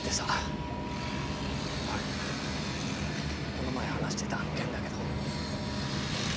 この前話してたあの件だけど。